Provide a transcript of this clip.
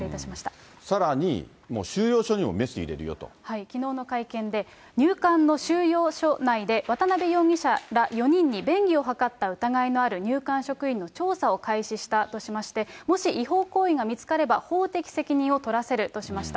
さらに、きのうの会見で、入管の収容所内で渡辺容疑者ら４人に便宜を図った疑いのある入管職員の調査を開始したとしまして、もし違法行為が見つかれば、法的責任を取らせるとしました。